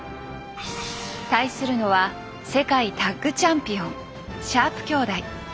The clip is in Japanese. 対するのは世界タッグチャンピオンシャープ兄弟。